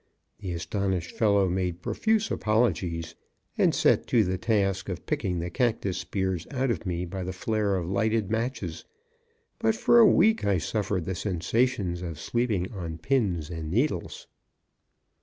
The astonished fellow made profuse apologies, and set to the task of picking the cactus spears out of me by the flare of lighted matches. But for a week I suffered the sensations of sleeping on pins and needles.